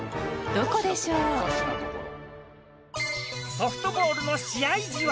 ソフトボールの試合じわ。